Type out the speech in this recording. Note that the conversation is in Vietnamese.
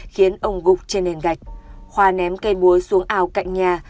khiến ông gục trên nền gạch khoa ném cây búa xuống ảo cạnh nhà